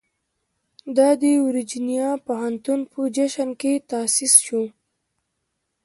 دا د ورجینیا پوهنتون په جشن کې تاسیس شو.